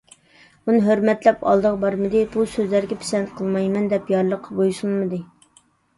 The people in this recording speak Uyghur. ئۇنى ھۆرمەتلەپ ئالدىغا بارمىدى، «بۇ سۆزلەرگە پىسەنت قىلمايمەن» دەپ يارلىققا بويسۇنمىدى.